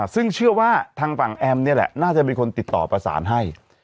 ซึ่งเชื่อว่าทางฝั่งแอมนี่แหละน่าจะเป็นคนติดต่อประสานให้